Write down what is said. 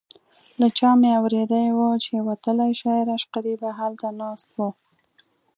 له چا مې اورېدي وو چې وتلی شاعر عشقري به هلته ناست و.